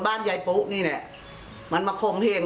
บ้านยายปูนี่มันมาฆงเถ่ง